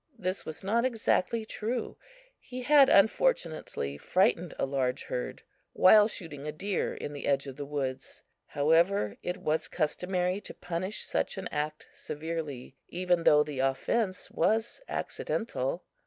This was not exactly true. He had unfortunately frightened a large herd while shooting a deer in the edge of the woods. However, it was customary to punish such an act severely, even though the offense was accidental.